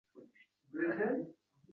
U chizgilarini namoyon qiladi.